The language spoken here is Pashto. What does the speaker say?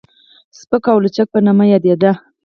سپک او لچک به په نامه يادېده.